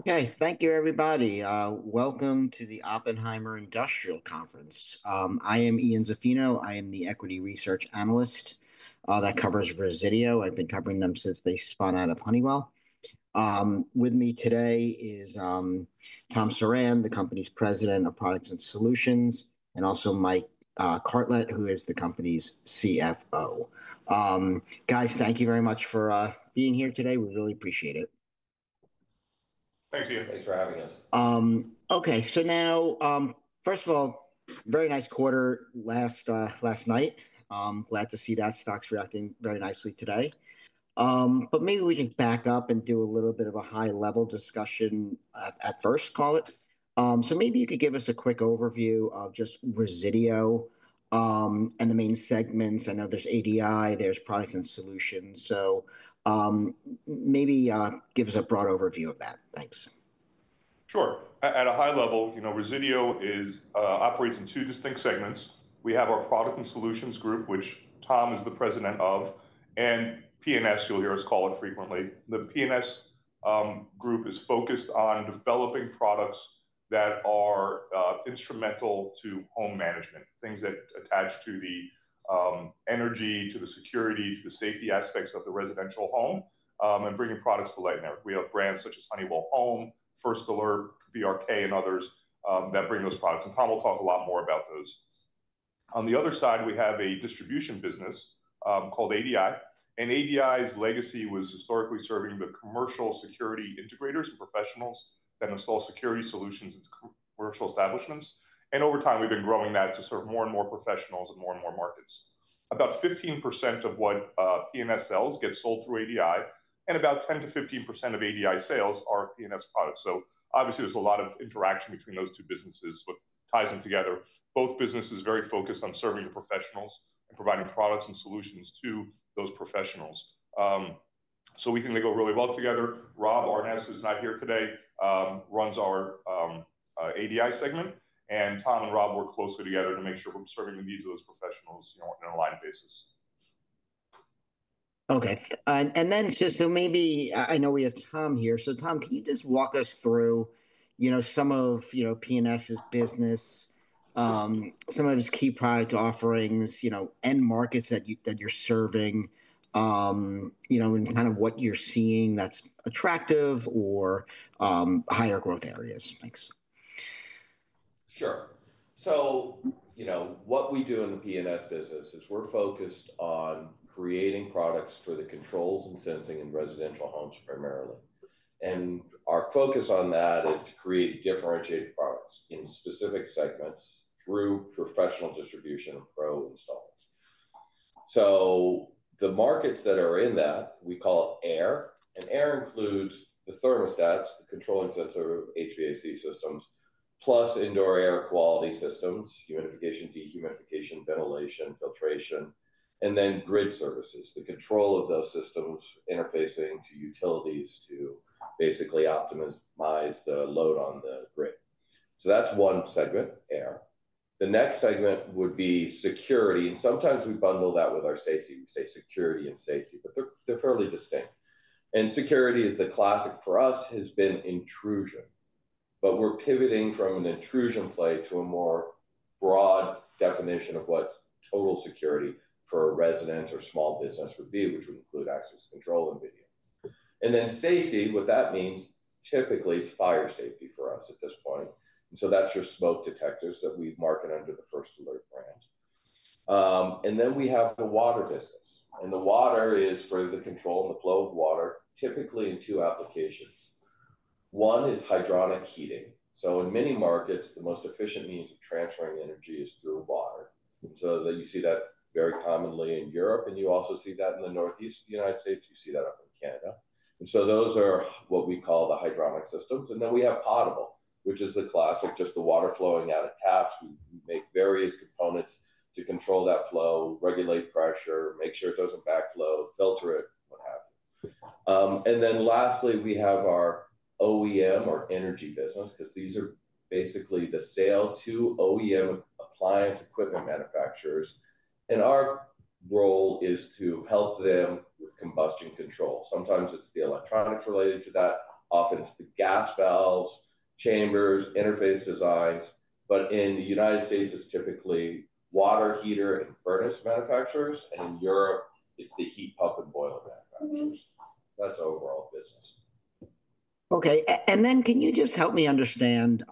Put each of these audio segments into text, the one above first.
Okay, thank you, everybody. Welcome to the Oppenheimer Industrial Conference. I am Ian Zafino. I am the equity research analyst that covers Resideo. I've been covering them since they spun out of Honeywell. With me today is Tom Suran, the company's President of Products and Solutions, and also Mike Carlet, who is the company's CFO. Guys, thank you very much for being here today. We really appreciate it. Thanks, Ian. Thanks for having us. Okay, so now, first of all, very nice quarter last night. Glad to see that stocks reacting very nicely today. Maybe we can back up and do a little bit of a high-level discussion at first, call it. Maybe you could give us a quick overview of just Resideo and the main segments. I know there's ADI, there's products and solutions. Maybe give us a broad overview of that. Thanks. Sure. At a high level, Resideo operates in two distinct segments. We have our Products & Solutions group, which Tom is the President of, and P&S, you'll hear us call it frequently. The P&S group is focused on developing products that are instrumental to home management, things that attach to the energy, to the security, to the safety aspects of the residential home, and bringing products to light. We have brands such as Honeywell Home, First Alert, BRK, and others that bring those products. Tom will talk a lot more about those. On the other side, we have a distribution business called ADI. ADI's legacy was historically serving the commercial security integrators and professionals that install security solutions in commercial establishments. Over time, we've been growing that to serve more and more professionals and more and more markets. About 15% of what P&S sells gets sold through ADI, and about 10%-15% of ADI sales are P&S products. Obviously, there's a lot of interaction between those two businesses that ties them together. Both businesses are very focused on serving the professionals and providing products and solutions to those professionals. We think they go really well together. Rob Aarnes, who's not here today, runs our ADI segment. Tom and Rob work closely together to make sure we're serving the needs of those professionals on an aligned basis. Okay. And then just so maybe I know we have Tom here. Tom, can you just walk us through some of P&S's business, some of its key product offerings, end markets that you're serving, and kind of what you're seeing that's attractive or higher growth areas? Thanks. Sure. What we do in the P&S business is we're focused on creating products for the controls and sensing in residential homes primarily. Our focus on that is to create differentiated products in specific segments through professional distribution and pro installs. The markets that are in that, we call it AIR. AIR includes the thermostats, the control and sensor HVAC systems, plus indoor air quality systems, humidification, dehumidification, ventilation, filtration, and then grid services, the control of those systems interfacing to utilities to basically optimize the load on the grid. That's one segment, AIR. The next segment would be security. Sometimes we bundle that with our safety. We say security and safety, but they're fairly distinct. Security is the classic for us has been intrusion. We're pivoting from an intrusion play to a more broad definition of what total security for a resident or small business would be, which would include access control and video. Then safety, what that means, typically it's fire safety for us at this point. That's your smoke detectors that we market under the First Alert brand. We have the water business. The water is for the control and the flow of water, typically in two applications. One is hydronic heating. In many markets, the most efficient means of transferring energy is through water. You see that very commonly in Europe. You also see that in the northeast of the United States. You see that up in Canada. Those are what we call the hydronic systems. We have potable, which is the classic, just the water flowing out of taps. We make various components to control that flow, regulate pressure, make sure it does not backflow, filter it, what have you. Lastly, we have our OEM or energy business, because these are basically the sale to OEM appliance equipment manufacturers. Our role is to help them with combustion control. Sometimes it is the electronics related to that. Often it is the gas valves, chambers, interface designs. In the United States, it is typically water heater and furnace manufacturers. In Europe, it is the heat pump and boiler manufacturers. That is overall business. Okay. Can you just help me understand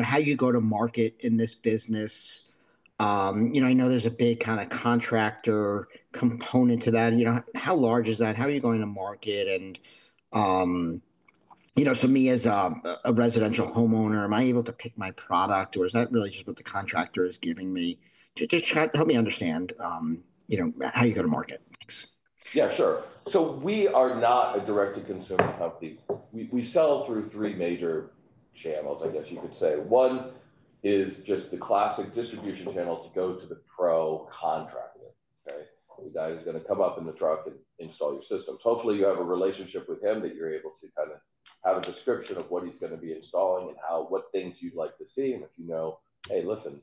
how you go to market in this business? I know there's a big kind of contractor component to that. How large is that? How are you going to market? For me as a residential homeowner, am I able to pick my product, or is that really just what the contractor is giving me? Just help me understand how you go to market. Thanks. Yeah, sure. We are not a direct-to-consumer company. We sell through three major channels, I guess you could say. One is just the classic distribution channel to go to the pro contractor. Okay? The guy who's going to come up in the truck and install your systems. Hopefully, you have a relationship with him that you're able to kind of have a description of what he's going to be installing and what things you'd like to see. If you know, "Hey, listen,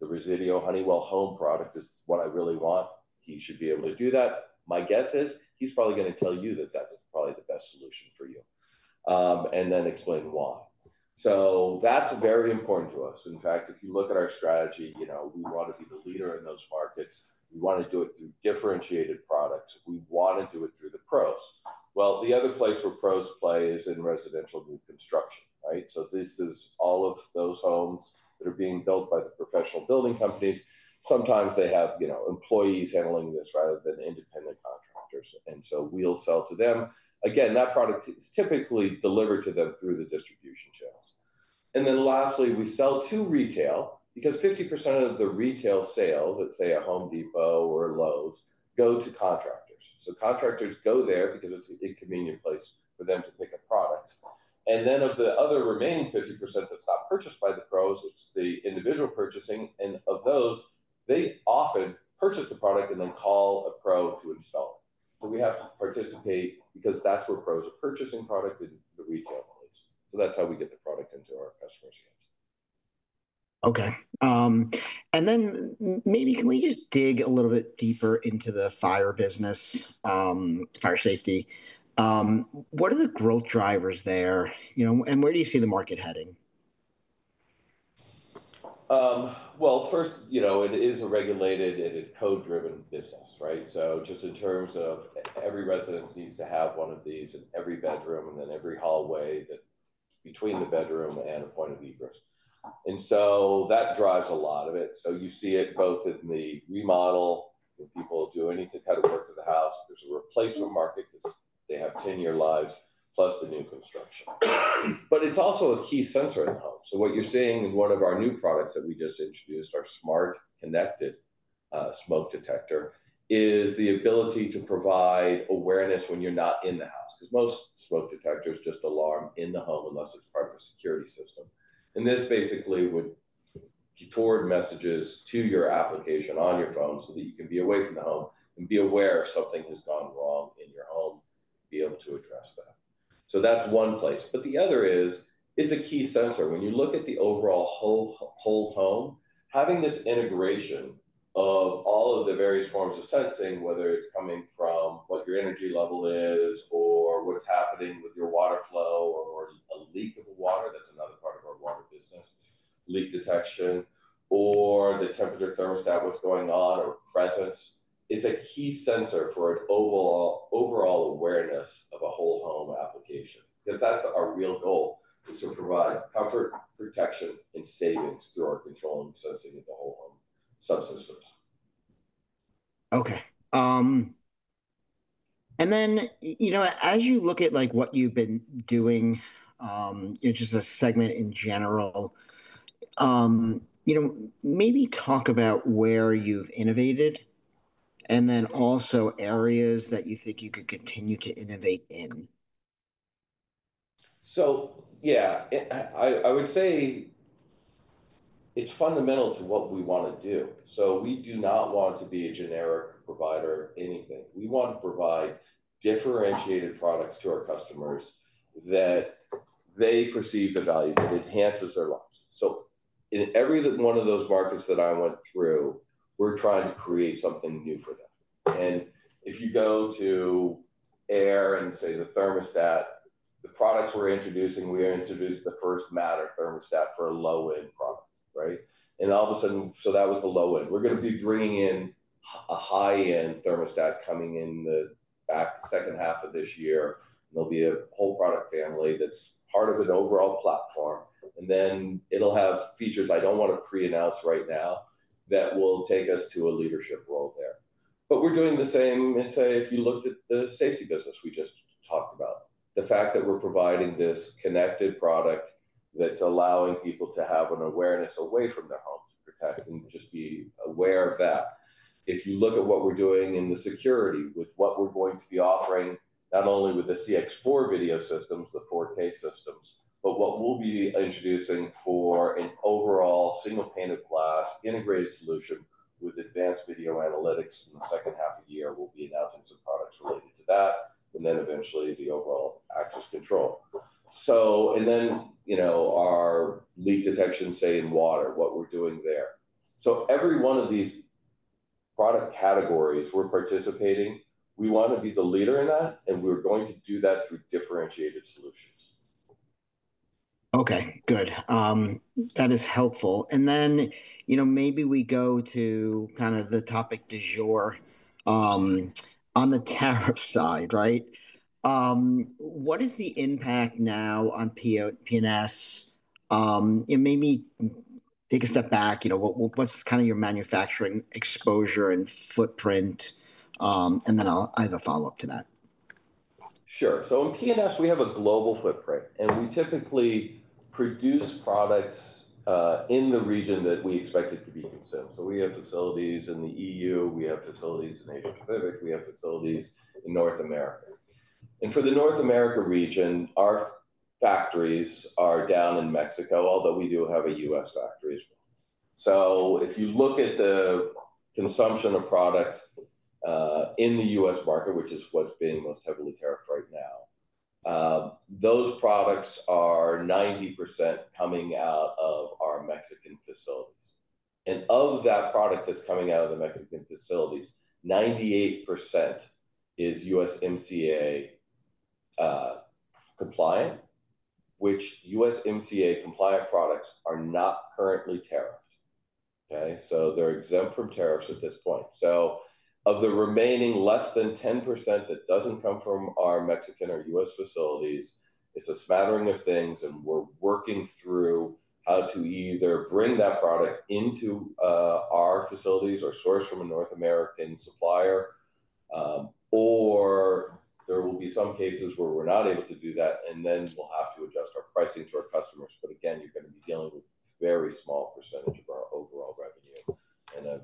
the Resideo Honeywell Home product is what I really want," he should be able to do that. My guess is he's probably going to tell you that that's probably the best solution for you and then explain why. That is very important to us. In fact, if you look at our strategy, we want to be the leader in those markets. We want to do it through differentiated products. We want to do it through the pros. The other place where pros play is in residential new construction, right? This is all of those homes that are being built by the professional building companies. Sometimes they have employees handling this rather than independent contractors. We will sell to them. Again, that product is typically delivered to them through the distribution channels. Lastly, we sell to retail because 50% of the retail sales at, say, a Home Depot or Lowe's go to contractors. Contractors go there because it is a convenient place for them to pick up products. Of the other remaining 50% that is not purchased by the pros, it is the individual purchasing. Of those, they often purchase the product and then call a pro to install it. We have to participate because that's where pros are purchasing product in the retail place. That's how we get the product into our customers' hands. Okay. Can we just dig a little bit deeper into the fire business, fire safety? What are the growth drivers there? Where do you see the market heading? First, it is a regulated and a code-driven business, right? Just in terms of every residence needs to have one of these in every bedroom and then every hallway between the bedroom and a point of egress. That drives a lot of it. You see it both in the remodel when people do anything to kind of work to the house. There is a replacement market because they have 10-year lives plus the new construction. It is also a key sensor in the home. What you are seeing in one of our new products that we just introduced, our smart connected smoke detector, is the ability to provide awareness when you are not in the house because most smoke detectors just alarm in the home unless it is part of a security system. This basically would toward messages to your application on your phone so that you can be away from the home and be aware if something has gone wrong in your home, be able to address that. That is one place. The other is it's a key sensor. When you look at the overall whole home, having this integration of all of the various forms of sensing, whether it's coming from what your energy level is or what's happening with your water flow or a leak of water, that's another part of our water business, leak detection, or the temperature thermostat, what's going on or presence, it's a key sensor for an overall awareness of a whole home application because that's our real goal, to provide comfort, protection, and savings through our controlling sensing of the whole home subsystems. Okay. As you look at what you've been doing, just a segment in general, maybe talk about where you've innovated and then also areas that you think you could continue to innovate in. Yeah, I would say it's fundamental to what we want to do. We do not want to be a generic provider of anything. We want to provide differentiated products to our customers that they perceive the value that enhances their lives. In every one of those markets that I went through, we're trying to create something new for them. If you go to AIR and say the thermostat, the products we're introducing, we introduced the first Matter thermostat for a low-end product, right? All of a sudden, that was the low-end. We're going to be bringing in a high-end thermostat coming in the second half of this year. There will be a whole product family that's part of an overall platform. It will have features I don't want to pre-announce right now that will take us to a leadership role there. We're doing the same and say, if you looked at the safety business we just talked about, the fact that we're providing this connected product that's allowing people to have an awareness away from their home to protect and just be aware of that. If you look at what we're doing in the security with what we're going to be offering, not only with the CX4 video systems, the 4K systems, but what we'll be introducing for an overall single pane of glass integrated solution with advanced video analytics in the second half of the year, we'll be announcing some products related to that, and then eventually the overall access control. Then our leak detection, say, in water, what we're doing there. Every one of these product categories we're participating, we want to be the leader in that, and we're going to do that through differentiated solutions. Okay. Good. That is helpful. Maybe we go to kind of the topic du jour on the tariff side, right? What is the impact now on P&S? Maybe take a step back. What's kind of your manufacturing exposure and footprint? I have a follow-up to that. Sure. In P&S, we have a global footprint. We typically produce products in the region that we expect it to be consumed. We have facilities in the EU. We have facilities in Asia Pacific. We have facilities in North America. For the North America region, our factories are down in Mexico, although we do have a U.S. factory. If you look at the consumption of product in the U.S. market, which is what's being most heavily tariffed right now, those products are 90% coming out of our Mexican facilities. Of that product that's coming out of the Mexican facilities, 98% is USMCA compliant, which USMCA compliant products are not currently tariffed. They are exempt from tariffs at this point. Of the remaining less than 10% that doesn't come from our Mexican or U.S. facilities, it's a smattering of things. We are working through how to either bring that product into our facilities or source from a North American supplier. There will be some cases where we are not able to do that, and then we will have to adjust our pricing to our customers. Again, you are going to be dealing with a very small percentage of our overall revenue to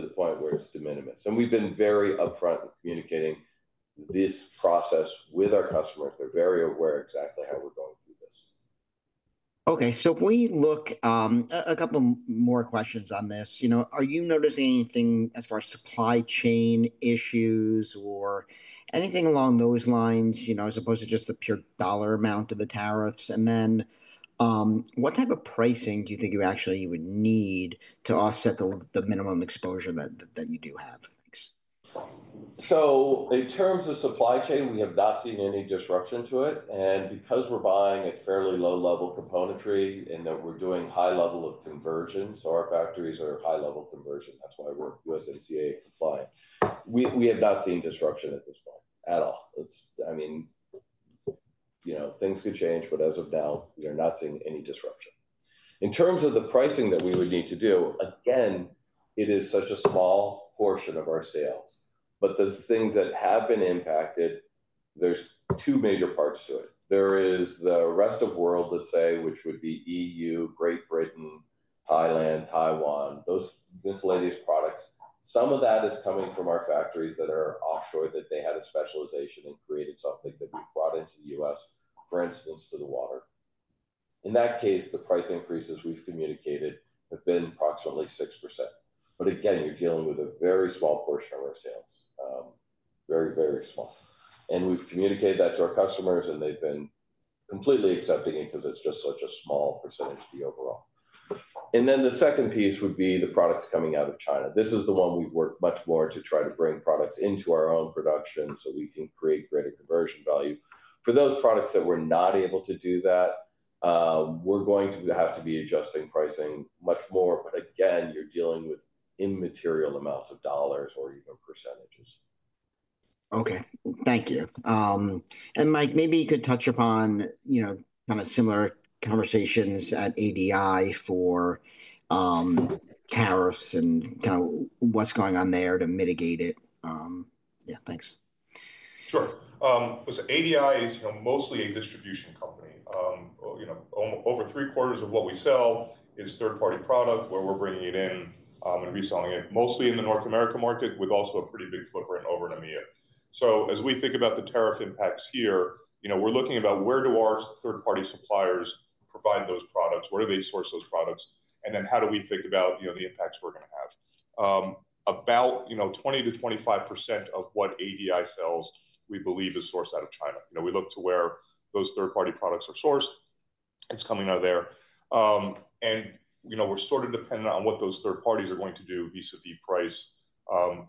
the point where it is de minimis. We have been very upfront with communicating this process with our customers. They are very aware exactly how we are going through this. Okay. If we look at a couple more questions on this, are you noticing anything as far as supply chain issues or anything along those lines as opposed to just the pure dollar amount of the tariffs? What type of pricing do you think you actually would need to offset the minimum exposure that you do have? In terms of supply chain, we have not seen any disruption to it. Because we are buying at fairly low-level componentry and we are doing a high level of conversion, our factories are high-level conversion, that is why we are USMCA compliant. We have not seen disruption at this point at all. I mean, things could change, but as of now, we are not seeing any disruption. In terms of the pricing that we would need to do, again, it is such a small portion of our sales. The things that have been impacted, there are two major parts to it. There is the rest of world, let us say, which would be EU, Great Britain, Thailand, Taiwan, those miscellaneous products. Some of that is coming from our factories that are offshore that had a specialization and created something that we have brought into the US, for instance, for the water. In that case, the price increases we've communicated have been approximately 6%. You are dealing with a very small portion of our sales, very, very small. We've communicated that to our customers, and they've been completely accepting it because it's just such a small percentage of the overall. The second piece would be the products coming out of China. This is the one we've worked much more to try to bring products into our own production so we can create greater conversion value. For those products that we're not able to do that, we're going to have to be adjusting pricing much more. You are dealing with immaterial amounts of dollars or even percentages. Okay. Thank you. Mike, maybe you could touch upon kind of similar conversations at ADI for tariffs and kind of what's going on there to mitigate it. Yeah. Thanks. Sure. ADI is mostly a distribution company. Over three quarters of what we sell is third-party product where we're bringing it in and reselling it mostly in the North America market with also a pretty big footprint over in EMEA. As we think about the tariff impacts here, we're looking at where our third-party suppliers provide those products, where they source those products, and then how we think about the impacts we're going to have. About 20%-25% of what ADI sells, we believe, is sourced out of China. We look to where those third-party products are sourced. It's coming out of there. We're sort of dependent on what those third parties are going to do vis-à-vis price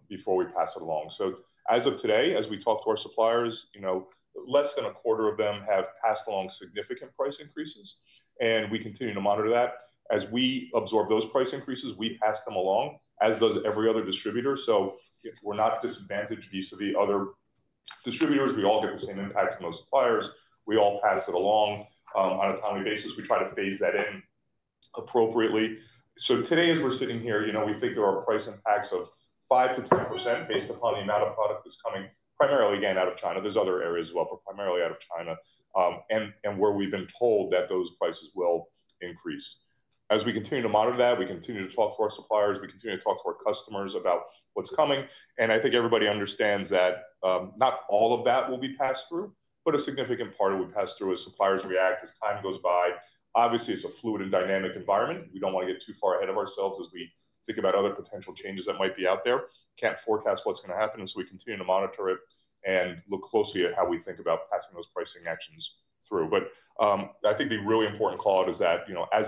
before we pass it along. As of today, as we talk to our suppliers, less than a quarter of them have passed along significant price increases. We continue to monitor that. As we absorb those price increases, we pass them along, as does every other distributor. We are not disadvantaged vis-à-vis other distributors. We all get the same impact from those suppliers. We all pass it along on a timely basis. We try to phase that in appropriately. Today, as we are sitting here, we think there are price impacts of 5%-10% based upon the amount of product that is coming primarily, again, out of China. There are other areas as well, but primarily out of China and where we have been told that those prices will increase. As we continue to monitor that, we continue to talk to our suppliers. We continue to talk to our customers about what is coming. I think everybody understands that not all of that will be passed through, but a significant part will be passed through as suppliers react as time goes by. Obviously, it is a fluid and dynamic environment. We do not want to get too far ahead of ourselves as we think about other potential changes that might be out there. Cannot forecast what is going to happen. We continue to monitor it and look closely at how we think about passing those pricing actions through. I think the really important callout is that as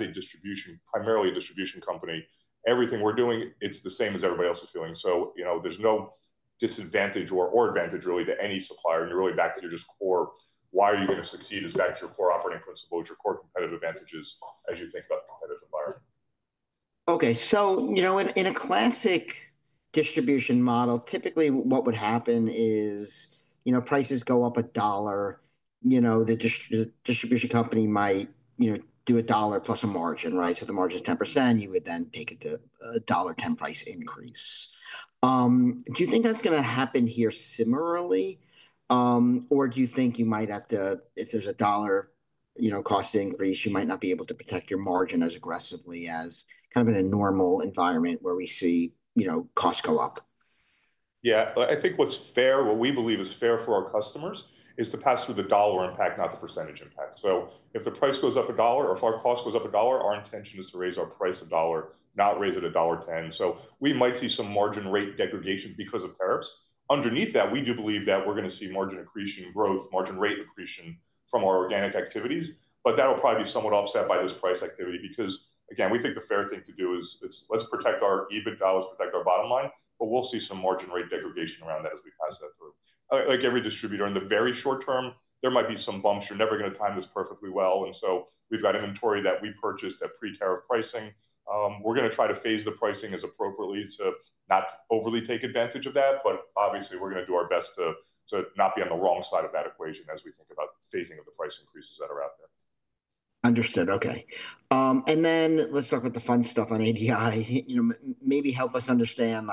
primarily a distribution company, everything we are doing, it is the same as everybody else is feeling. There is no disadvantage or advantage really to any supplier. You are really back to your just core, why are you going to succeed is back to your core operating principles, your core competitive advantages as you think about the competitive environment. Okay. In a classic distribution model, typically what would happen is prices go up a dollar. The distribution company might do a dollar plus a margin, right? If the margin is 10%, you would then take it to a $1.10 price increase. Do you think that is going to happen here similarly? Or do you think you might have to, if there is a dollar cost increase, you might not be able to protect your margin as aggressively as kind of in a normal environment where we see costs go up? Yeah. I think what's fair, what we believe is fair for our customers, is to pass through the dollar impact, not the percentage impact. If the price goes up a dollar or if our cost goes up a dollar, our intention is to raise our price a dollar, not raise it a $1.10. We might see some margin rate degradation because of tariffs. Underneath that, we do believe that we're going to see margin accretion growth, margin rate accretion from our organic activities. That'll probably be somewhat offset by this price activity because, again, we think the fair thing to do is let's protect our EBITDA, let's protect our bottom line. We'll see some margin rate degradation around that as we pass that through. Like every distributor in the very short term, there might be some bumps. You're never going to time this perfectly well. We have inventory that we purchased at pre-tariff pricing. We are going to try to phase the pricing as appropriately to not overly take advantage of that. Obviously, we are going to do our best to not be on the wrong side of that equation as we think about phasing of the price increases that are out there. Understood. Okay. Let's talk about the fun stuff on ADI. Maybe help us understand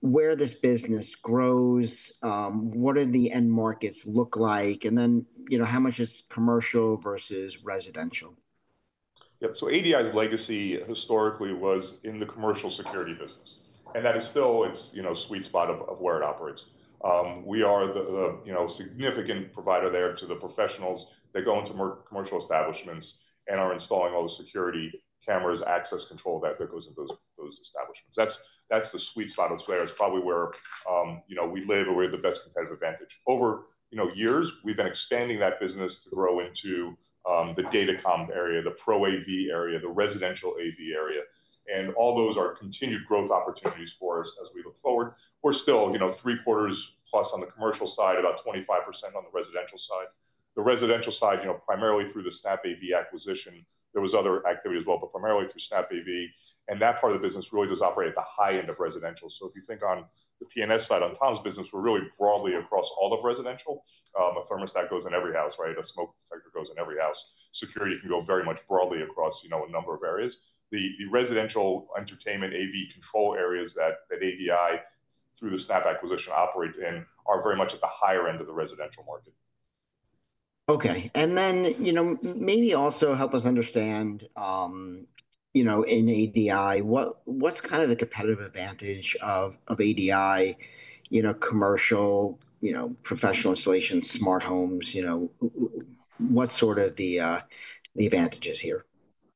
where this business grows, what do the end markets look like, and then how much is commercial versus residential? Yep. ADI's legacy historically was in the commercial security business. That is still its sweet spot of where it operates. We are the significant provider there to the professionals that go into commercial establishments and are installing all the security cameras, access control that goes into those establishments. That's the sweet spot of Square. It's probably where we live and we have the best competitive advantage. Over years, we've been expanding that business to grow into the data comm area, the pro AV area, the residential AV area. All those are continued growth opportunities for us as we look forward. We're still three quarters plus on the commercial side, about 25% on the residential side. The residential side, primarily through the Snap One acquisition. There was other activity as well, but primarily through Snap One. That part of the business really does operate at the high end of residential. If you think on the P&S side on Tom's business, we're really broadly across all of residential. A thermostat goes in every house, right? A smoke detector goes in every house. Security can go very much broadly across a number of areas. The residential entertainment AV control areas that ADI through the Snap acquisition operates in are very much at the higher end of the residential market. Okay. Maybe also help us understand in ADI, what's kind of the competitive advantage of ADI commercial, professional installation, smart homes? What are the advantages here?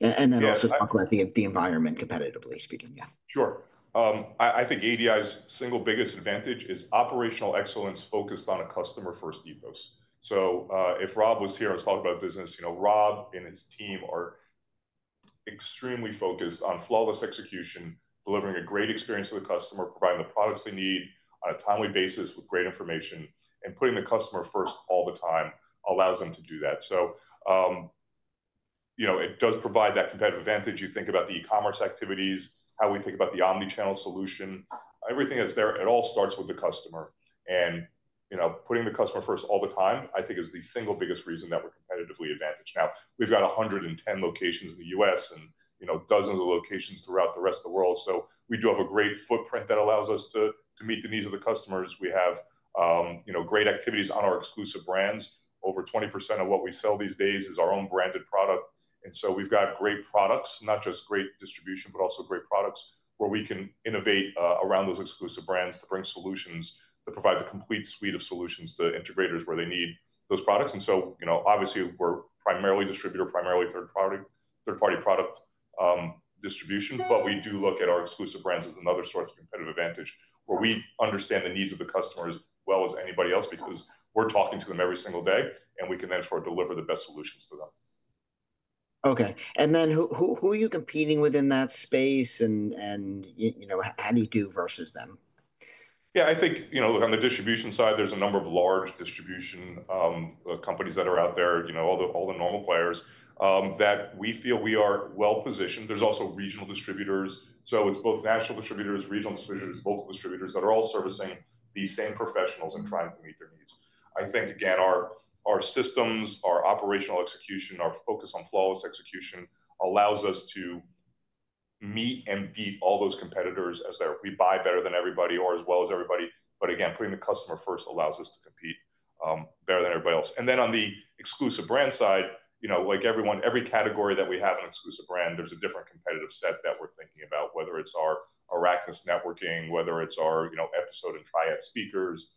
Also talk about the environment, competitively speaking. Yeah. Sure. I think ADI's single biggest advantage is operational excellence focused on a customer-first ethos. If Rob was here and was talking about business, Rob and his team are extremely focused on flawless execution, delivering a great experience to the customer, providing the products they need on a timely basis with great information, and putting the customer first all the time allows them to do that. It does provide that competitive advantage. You think about the e-commerce activities, how we think about the omnichannel solution. Everything that's there, it all starts with the customer. Putting the customer first all the time, I think, is the single biggest reason that we're competitively advantaged. Now, we've got 110 locations in the U.S. and dozens of locations throughout the rest of the world. We do have a great footprint that allows us to meet the needs of the customers. We have great activities on our exclusive brands. Over 20% of what we sell these days is our own branded product. We have great products, not just great distribution, but also great products where we can innovate around those exclusive brands to bring solutions that provide the complete suite of solutions to integrators where they need those products. Obviously, we're primarily a distributor, primarily third-party product distribution. We do look at our exclusive brands as another source of competitive advantage where we understand the needs of the customers as well as anybody else because we're talking to them every single day, and we can therefore deliver the best solutions to them. Okay. Who are you competing with in that space, and how do you do versus them? Yeah. I think on the distribution side, there's a number of large distribution companies that are out there, all the normal players that we feel we are well positioned. There's also regional distributors. It is both national distributors, regional distributors, local distributors that are all servicing the same professionals and trying to meet their needs. I think, again, our systems, our operational execution, our focus on flawless execution allows us to meet and beat all those competitors as they're we buy better than everybody or as well as everybody. Again, putting the customer first allows us to compete better than everybody else. On the exclusive brand side, like everyone, every category that we have an exclusive brand, there's a different competitive set that we're thinking about, whether it's our Arachnous networking, whether it's our Episode and Triad speakers,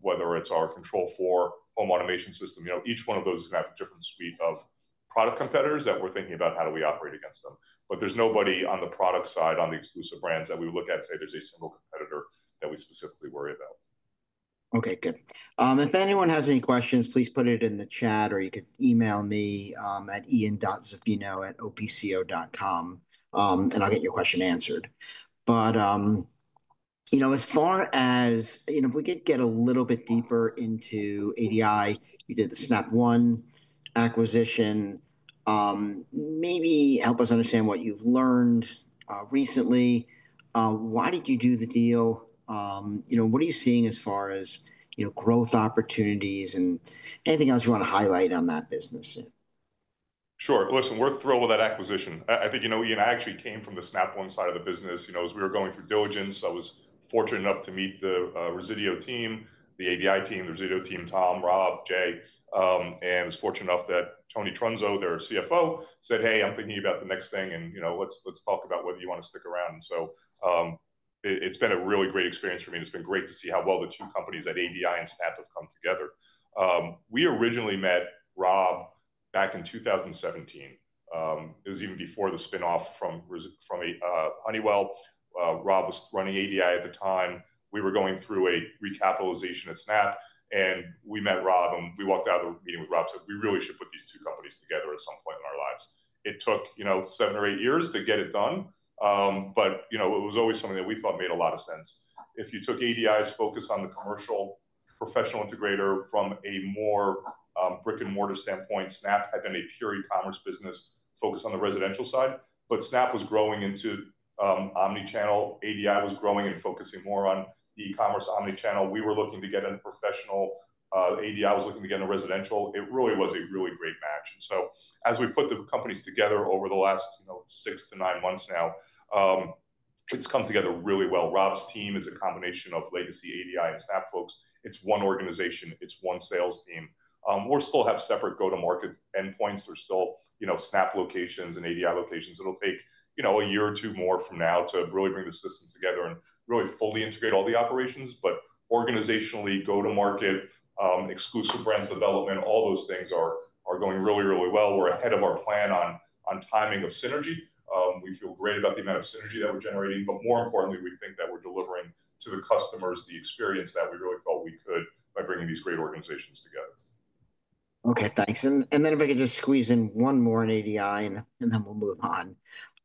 whether it's our Control4 home automation system. Each one of those is going to have a different suite of product competitors that we're thinking about, how do we operate against them. There is nobody on the product side on the exclusive brands that we look at, say, there is a single competitor that we specifically worry about. Okay. Good. If anyone has any questions, please put it in the chat, or you could email me at ian.zafino@opco.com, and I'll get your question answered. As far as if we could get a little bit deeper into ADI, you did the Snap One acquisition. Maybe help us understand what you've learned recently. Why did you do the deal? What are you seeing as far as growth opportunities and anything else you want to highlight on that business? Sure. Listen, we're thrilled with that acquisition. I think I actually came from the Snap One side of the business. As we were going through diligence, I was fortunate enough to meet the Resideo team, the ADI team, the Resideo team, Tom, Rob, Jay, and was fortunate enough that Tony Trunzo, their CFO, said, "Hey, I'm thinking about the next thing, and let's talk about whether you want to stick around." It's been a really great experience for me. It's been great to see how well the two companies at ADI and Snap have come together. We originally met Rob back in 2017. It was even before the spinoff from Honeywell. Rob was running ADI at the time. We were going through a recapitalization at Snap, and we met Rob, and we walked out of the meeting with Rob, said, "We really should put these two companies together at some point in our lives." It took seven or eight years to get it done, but it was always something that we thought made a lot of sense. If you took ADI's focus on the commercial professional integrator from a more brick-and-mortar standpoint, Snap had been a pure e-commerce business focused on the residential side. Snap was growing into omnichannel. ADI was growing and focusing more on e-commerce omnichannel. We were looking to get a professional. ADI was looking to get a residential. It really was a really great match. As we put the companies together over the last six to nine months now, it has come together really well. Rob's team is a combination of legacy ADI and Snap folks. It's one organization. It's one sales team. We'll still have separate go-to-market endpoints. There's still Snap locations and ADI locations. It'll take a year or two more from now to really bring the systems together and really fully integrate all the operations. Organizationally, go-to-market, exclusive brands development, all those things are going really, really well. We're ahead of our plan on timing of synergy. We feel great about the amount of synergy that we're generating. More importantly, we think that we're delivering to the customers the experience that we really felt we could by bringing these great organizations together. Okay. Thanks. If I could just squeeze in one more on ADI, and then we'll move on.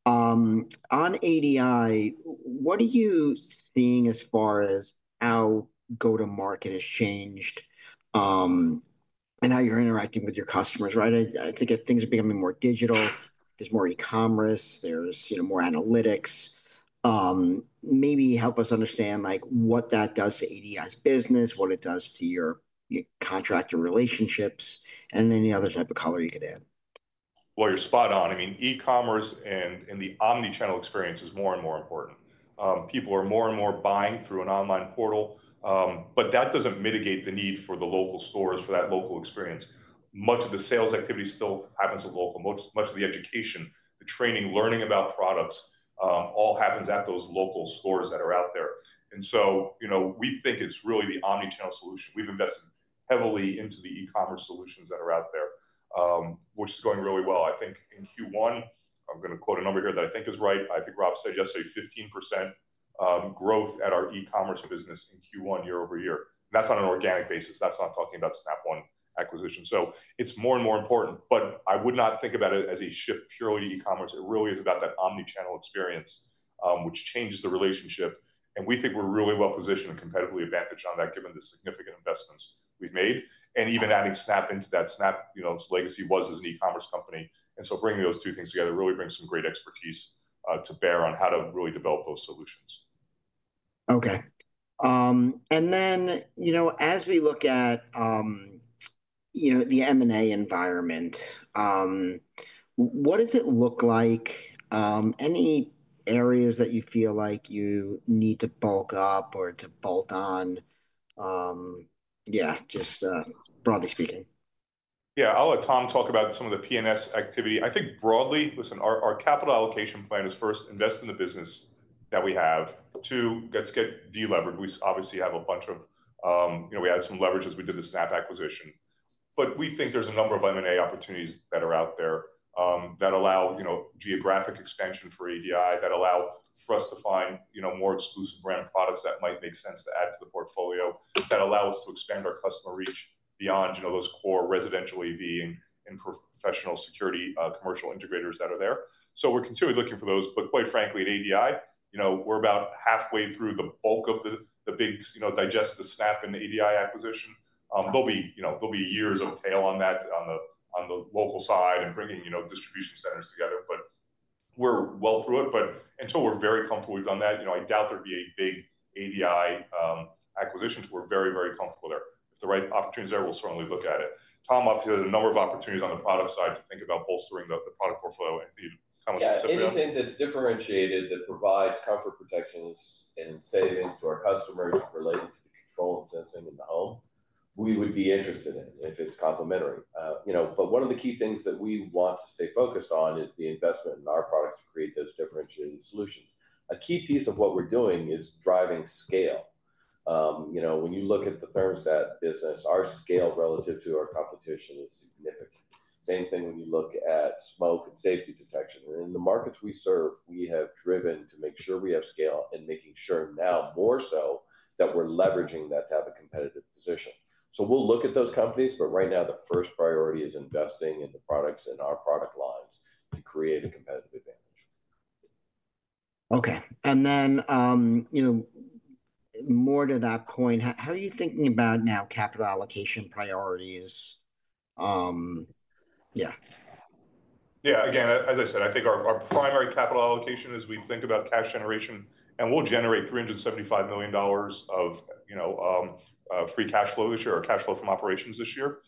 On ADI, what are you seeing as far as how go-to-market has changed and how you're interacting with your customers, right? I think things are becoming more digital. There's more e-commerce. There's more analytics. Maybe help us understand what that does to ADI's business, what it does to your contract and relationships, and any other type of color you could add. You're spot on. I mean, e-commerce and the omnichannel experience is more and more important. People are more and more buying through an online portal, but that does not mitigate the need for the local stores for that local experience. Much of the sales activity still happens at local. Much of the education, the training, learning about products all happens at those local stores that are out there. We think it is really the omnichannel solution. We have invested heavily into the e-commerce solutions that are out there, which is going really well. I think in Q1, I am going to quote a number here that I think is right. I think Rob said yesterday, 15% growth at our e-commerce business in Q1 year over year. That is on an organic basis. That is not talking about Snap One acquisition. It is more and more important, but I would not think about it as a shift purely to e-commerce. It really is about that omnichannel experience, which changes the relationship. We think we are really well positioned and competitively advantaged on that given the significant investments we have made and even adding Snap into that. Snap's legacy was as an e-commerce company. Bringing those two things together really brings some great expertise to bear on how to really develop those solutions. Okay. As we look at the M&A environment, what does it look like? Any areas that you feel like you need to bulk up or to bolt on? Yeah, just broadly speaking. Yeah. I'll let Tom talk about some of the P&S activity. I think broadly, listen, our capital allocation plan is first invest in the business that we have. Two, let's get deleveraged. We obviously have a bunch of we had some leverage as we did the Snap acquisition. We think there's a number of M&A opportunities that are out there that allow geographic expansion for ADI, that allow for us to find more exclusive brand products that might make sense to add to the portfolio, that allow us to expand our customer reach beyond those core residential AV and professional security commercial integrators that are there. We're continually looking for those. Quite frankly, at ADI, we're about halfway through the bulk of the big digest of Snap and ADI acquisition. There'll be years of tail on that on the local side and bringing distribution centers together. We're well through it. Until we're very comfortable we've done that, I doubt there'll be a big ADI acquisition. We're very, very comfortable there. If the right opportunity's there, we'll certainly look at it. Tom, I've seen a number of opportunities on the product side to think about bolstering the product portfolio. I think. Anything that's differentiated that provides comfort, protections, and savings to our customers related to the control and sensing in the home, we would be interested in if it's complimentary. One of the key things that we want to stay focused on is the investment in our products to create those differentiated solutions. A key piece of what we're doing is driving scale. When you look at the thermostat business, our scale relative to our competition is significant. The same thing when you look at smoke and safety detection. In the markets we serve, we have driven to make sure we have scale and making sure now more so that we're leveraging that to have a competitive position. We'll look at those companies, but right now, the first priority is investing in the products and our product lines to create a competitive advantage. Okay. And then more to that point, how are you thinking about now capital allocation priorities? Yeah. Yeah. Again, as I said, I think our primary capital allocation as we think about cash generation, and we'll generate $375 million of free cash flow this year or cash flow from operations this year,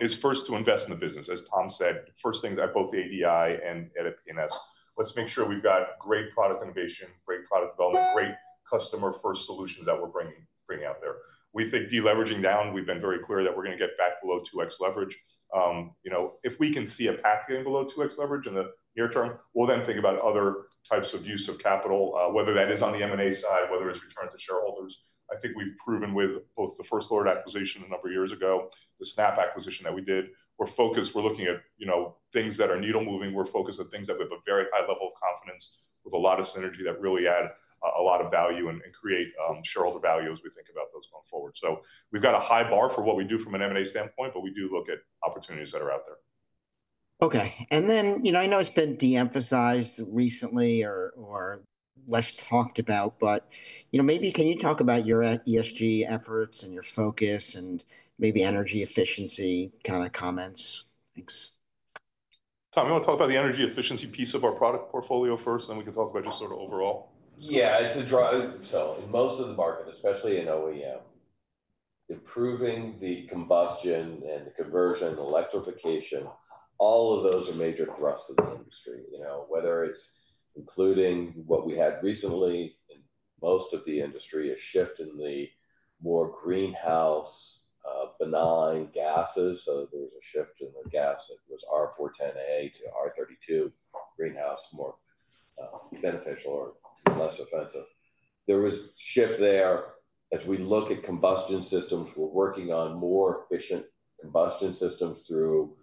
is first to invest in the business. As Tom said, first thing is I book the ADI and edit P&S. Let's make sure we've got great product innovation, great product development, great customer-first solutions that we're bringing out there. We think deleveraging down. We've been very clear that we're going to get back below 2x leverage. If we can see a path getting below 2x leverage in the near term, we'll then think about other types of use of capital, whether that is on the M&A side, whether it's return to shareholders. I think we've proven with both the First Alert acquisition a number of years ago, the Snap One acquisition that we did. We're focused. We're looking at things that are needle moving. We're focused on things that we have a very high level of confidence with, a lot of synergy that really add a lot of value and create shareholder value as we think about those going forward. We've got a high bar for what we do from an M&A standpoint, but we do look at opportunities that are out there. Okay. I know it's been de-emphasized recently or less talked about, but maybe can you talk about your ESG efforts and your focus and maybe energy efficiency kind of comments? Thanks. Tom, you want to talk about the energy efficiency piece of our product portfolio first, and then we can talk about just sort of overall? Yeah. In most of the market, especially in OEM, improving the combustion and the conversion, electrification, all of those are major thrusts of the industry. Whether it's including what we had recently in most of the industry, a shift in the more greenhouse benign gases. There was a shift in the gas that was R410A to R32, greenhouse more beneficial or less offensive. There was a shift there as we look at combustion systems. We're working on more efficient combustion systems through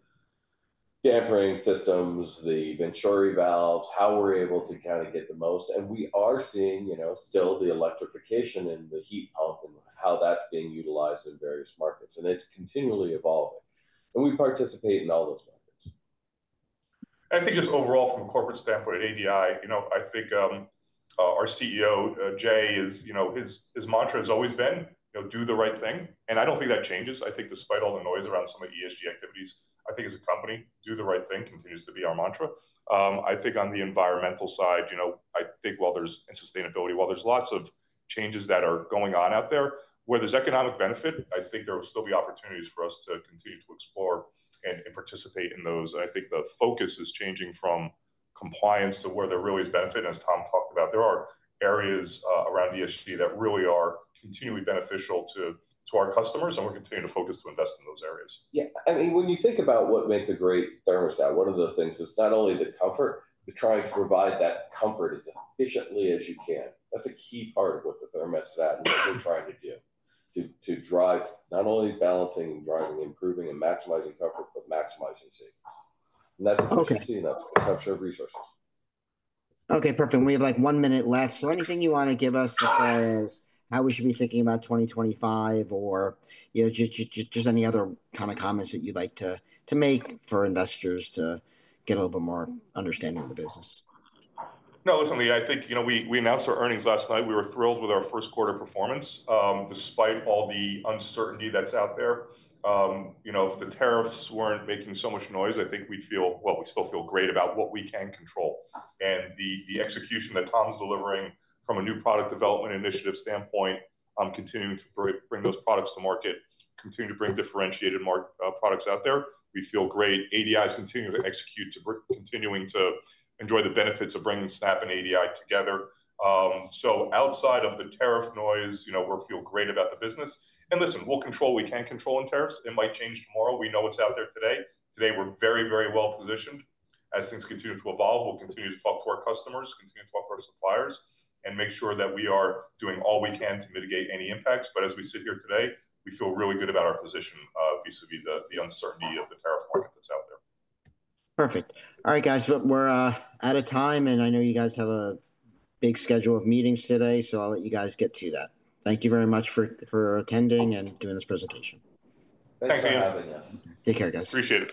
dampering systems, the Venturi valves, how we're able to kind of get the most. We are seeing still the electrification and the heat pump and how that's being utilized in various markets. It's continually evolving. We participate in all those markets. I think just overall from a corporate standpoint at ADI, I think our CEO, Jay, his mantra has always been, "Do the right thing." I do not think that changes. I think despite all the noise around some of the ESG activities, I think as a company, do the right thing continues to be our mantra. I think on the environmental side, while there is sustainability, while there are lots of changes that are going on out there, where there is economic benefit, I think there will still be opportunities for us to continue to explore and participate in those. I think the focus is changing from compliance to where there really is benefit. As Tom talked about, there are areas around ESG that really are continually beneficial to our customers, and we are continuing to focus to invest in those areas. Yeah. I mean, when you think about what makes a great thermostat, one of those things is not only the comfort, but trying to provide that comfort as efficiently as you can. That is a key part of what the thermostat and what we are trying to do to drive not only balancing and driving, improving and maximizing comfort, but maximizing savings. That is what you have seen. That is what has upshifted resources. Okay. Perfect. We have like one minute left. Anything you want to give us as far as how we should be thinking about 2025 or just any other kind of comments that you'd like to make for investors to get a little bit more understanding of the business? No, listen, Lee, I think we announced our earnings last night. We were thrilled with our first quarter performance despite all the uncertainty that's out there. If the tariffs weren't making so much noise, I think we'd feel, well, we still feel great about what we can control. The execution that Tom's delivering from a new product development initiative standpoint, continuing to bring those products to market, continuing to bring differentiated products out there, we feel great. ADI is continuing to execute, continuing to enjoy the benefits of bringing Snap and ADI together. Outside of the tariff noise, we feel great about the business. Listen, we'll control what we can control in tariffs. It might change tomorrow. We know what's out there today. Today, we're very, very well positioned. As things continue to evolve, we'll continue to talk to our customers, continue to talk to our suppliers, and make sure that we are doing all we can to mitigate any impacts. As we sit here today, we feel really good about our position vis-à-vis the uncertainty of the tariff market that's out there. Perfect. All right, guys. We're out of time, and I know you guys have a big schedule of meetings today, so I'll let you guys get to that. Thank you very much for attending and doing this presentation. Thanks, Jayden. Thanks, Jayden. Yes. Take care, guys. Appreciate it.